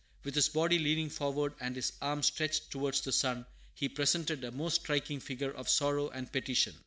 With his body leaning forward and his arms stretched towards the sun, he presented a most striking figure of sorrow and petition.